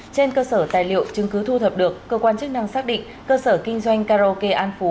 trên cơ sở tài liệu chứng cứ thu thập được cơ quan chức năng xác định cơ sở kinh doanh karaoke an phú